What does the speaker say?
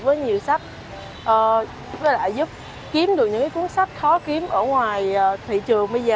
với nhiều sách và lại giúp kiếm được những cuốn sách khó kiếm ở ngoài thị trường bây giờ